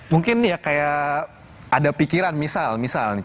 mungkin ya kayak ada pikiran misal misal nih